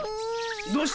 どうした？